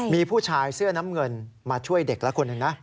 มีผู้ชายเสื้อน้ำเงินมาช่วยเด็กละคนหนึ่งนะ